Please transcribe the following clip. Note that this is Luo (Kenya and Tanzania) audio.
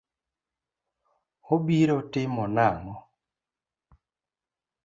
Obiro timo nang'o?